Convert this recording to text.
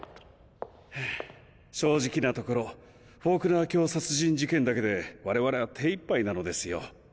はぁ正直なところフォークナー卿殺人事件だけで我々は手いっぱいなのですよ。